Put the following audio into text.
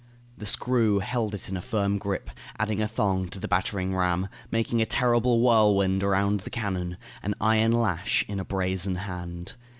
The screw held it in a firm grip, adding a thong to a battering ram, making a terrible whirlwind around the cannon, an iron lash in a brazen hand.